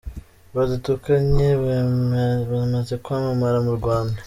Batandukanye bamaze kwamamara mu Rwanda.